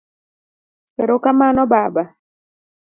Ero kamano Baba.